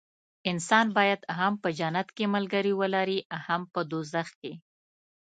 انسان باید هم په جنت کې ملګري ولري هم په دوزخ کې.